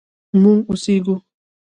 مونږ اوسیږو